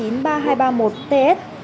do báo cá ngư dân